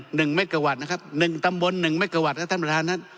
หนึ่งเมกะวัตต์นะครับหนึ่งตำบลหนึ่งเมกะวัตต์ครับท่านประธานนั้น